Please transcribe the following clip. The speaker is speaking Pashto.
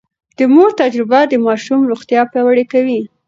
د مور تجربه د ماشوم روغتيا پياوړې کوي.